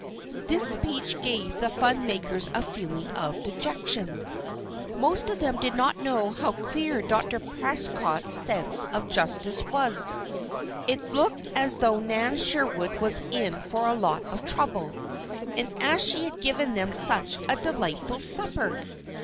This speech gave the fun makers a feeling of dejection. Most of them did not know how clear Dr. Prescott's sense of justice was. It looked as though Nan Sherwood was in for a lot of trouble. And she had given them such a delightful supper!